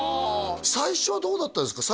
最初はどうだったんですか？